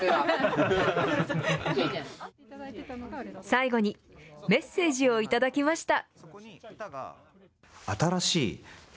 最後に、メッセージを頂きました。